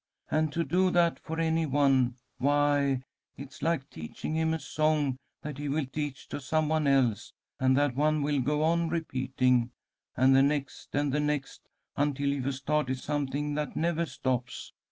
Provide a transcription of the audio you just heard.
And to do that for any one, why, it's like teaching him a song that he will teach to some one else, and that one will go on repeating, and the next and the next, until you've started something that never stops.